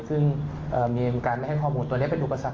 ซึ่งมีการไม่ให้ข้อมูลตัวนี้เป็นอุปสรรค